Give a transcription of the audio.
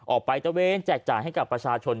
ออกไปเตาเวนแจกจ่างให้กับประชาชน